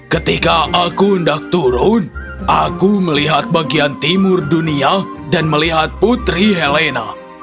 ketika aku hendak turun aku melihat bagian timur dunia dan melihat putri helena